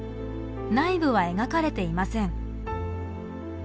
内部は描かれていません。